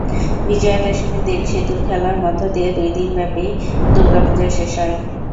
বিজয়া দশমীর দিন সিঁদুর খেলার মধ্যদিয়ে দুই দিনব্যাপী দুর্গাপূজা শেষ হয়।